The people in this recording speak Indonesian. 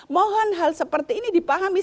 mohon hal seperti ini dipahami